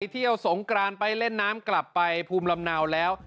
เที่ยวสงกรานไปเล่นน้ำกลับไปภูมิลำเนาแล้ว